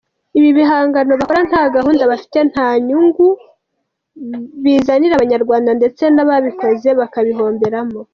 Ibi bihangano bakora nta gahunda bafite, nta nyungu bizanira abanyarwanda ndetse n’ababikoze bakabihomberamo.